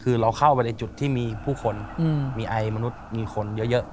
คือเราเข้าไปในจุดที่มีผู้คนมีไอมนุษย์มีคนเยอะ